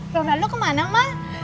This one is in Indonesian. ronaldo kemana mal